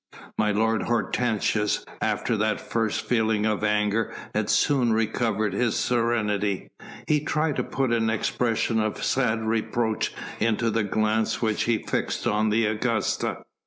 My lord Hortensius after that first feeling of anger had soon recovered his serenity. He tried to put an expression of sad reproach into the glance which he fixed on the Augusta.